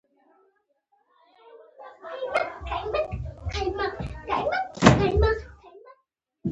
هغه کسان چې د ژوندانه مشکلات د ژوند د یوه طبعي شرط په توګه